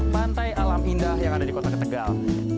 pantai alam indah yang ada di kota tegal